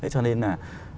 cho nên là